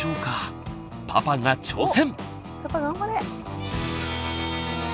パパが挑戦！